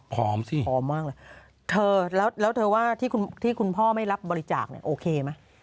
พอมสิแล้ว่าที่คุณพ่อไม่รับบริจาคเนี่ยแค่โอเคมั้ย